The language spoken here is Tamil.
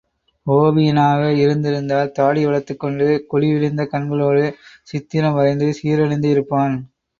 ஒவியனாக இருந்திருந்தால் தாடி வளர்த்துக் கொண்டு குழிவிழுந்த கண்களோடு சித்திரம் வரைந்து சீரழிந்து இருப்பான்.